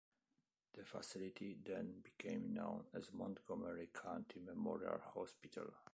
The facility then became known as Montgomery County Memorial Hospital.